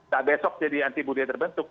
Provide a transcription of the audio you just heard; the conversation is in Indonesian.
tak besok jadi anti budaya terbentuk